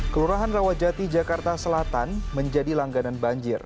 kelurahan rawajati jakarta selatan menjadi langganan banjir